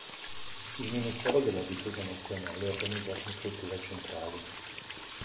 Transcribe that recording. Il Ministero della difesa nazionale è organizzato in strutture centrali.